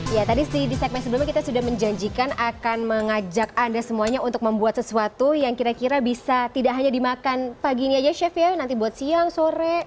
ya tadi di segmen sebelumnya kita sudah menjanjikan akan mengajak anda semuanya untuk membuat sesuatu yang kira kira bisa tidak hanya dimakan pagi ini aja chef ya nanti buat siang sore